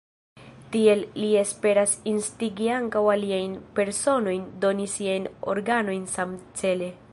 Tiel li esperas instigi ankaŭ aliajn personojn doni siajn organojn samcele.